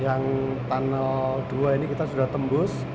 yang tunnel dua ini kita sudah tembus